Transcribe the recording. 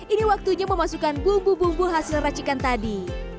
ini waktunya memasukkan bumbu bumbu hasil racikan tadi